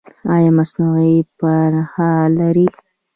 ایا مصنوعي پښه لرئ؟